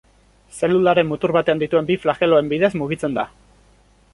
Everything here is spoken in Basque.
Zelularen mutur batean dituen bi flageloen bidez mugitzen da.